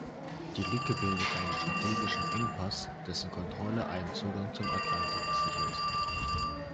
Die Lücke bildet einen strategischen Engpass, dessen Kontrolle einen Zugang zum Atlantik sichert.